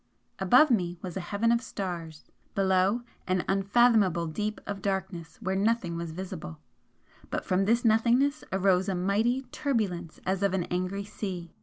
Above me was a heaven of stars; below an unfathomable deep of darkness where nothing was visible; but from this nothingness arose a mighty turbulence as of an angry sea.